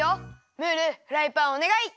ムールフライパンおねがい。